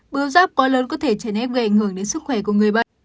bướu giáp quá lớn có thể chảy nét gây ảnh hưởng đến sức khỏe của người bệnh